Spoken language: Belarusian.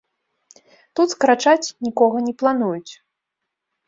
Тут скарачаць нікога не плануюць.